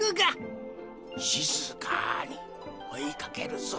しずかにおいかけるぞ。